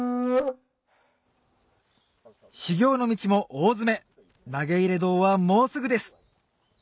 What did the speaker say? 修行の道も大詰め投入堂はもうすぐです